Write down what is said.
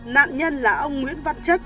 nạn nhân là ông nguyễn văn chất bốn mươi tuổi